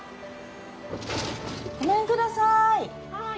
ごめんください。